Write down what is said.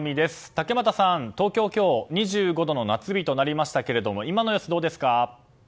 竹俣さん、東京は今日２５度以上の夏日となりましたけども今の様子、どうですか？